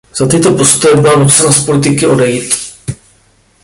Za tyto postoje byla nucena z politiky odejít.